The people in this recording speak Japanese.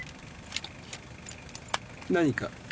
何か？